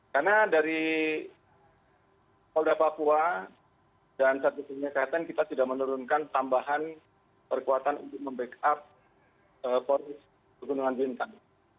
karena dari kolda papua dan satu ketiga keten kita tidak menurunkan tambahan perkuatan untuk mem backup polisi pegunungan bintang